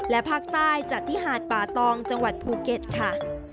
และภาคใต้จัดที่หาดป่าตองจังหวัดภูเก็ตค่ะ